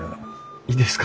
いいですか？